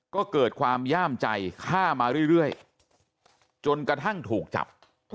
ก็เกิดความย่ามใจฆ่ามาเรื่อยจนกระทั่งถูกจับ